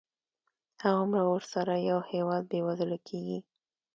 هغومره ورسره یو هېواد بېوزله کېږي.